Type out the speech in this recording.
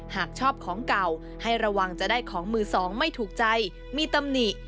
หากชอบของเก่าให้ระวังจะได้ของมือสองไม่ถูกใจมีตำหนิ